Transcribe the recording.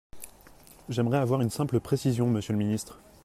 J’aimerais avoir une simple précision, monsieur le ministre.